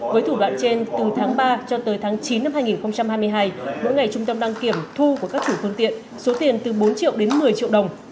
với thủ đoạn trên từ tháng ba cho tới tháng chín năm hai nghìn hai mươi hai mỗi ngày trung tâm đăng kiểm thu của các chủ phương tiện số tiền từ bốn triệu đến một mươi triệu đồng